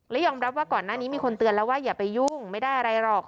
และยอมรับว่าก่อนหน้านี้มีคนเตือนแล้วว่าอย่าไปยุ่งไม่ได้อะไรหรอก